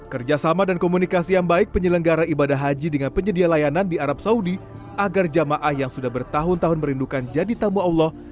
kerjasama dan komunikasi yang baik penyelenggara ibadah haji dengan penyedia layanan di arab saudi agar jamaah yang sudah bertahun tahun merindukan jadi tamu allah